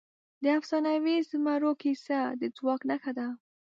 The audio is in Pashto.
د افسانوي زمرو کیسه د ځواک نښه ده.